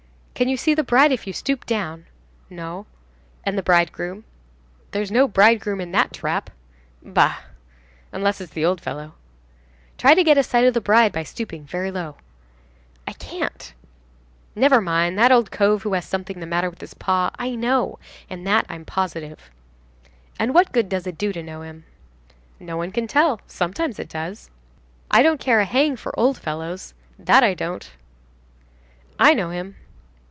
"Can you see the bride if you stoop down?" "No." "And the bridegroom?" "There's no bridegroom in that trap." "Bah!" "Unless it's the old fellow." "Try to get a sight of the bride by stooping very low." "I can't." "Never mind, that old cove who has something the matter with his paw I know, and that I'm positive." "And what good does it do to know him?" "No one can tell. Sometimes it does!" "I don't care a hang for old fellows, that I don't!" "I know him."